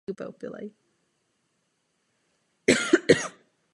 Proč se trápíte?